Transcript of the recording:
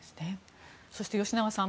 そして、吉永さん